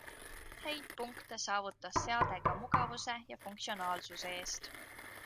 Häid punkte saavutas seade ka mugavuse ja funktsionaalsuse eest.